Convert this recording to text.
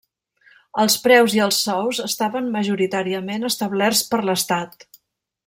Els preus i els sous estaven majoritàriament establerts per l'estat.